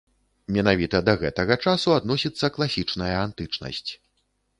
Менавіта да гэтага часу адносіцца класічная антычнасць.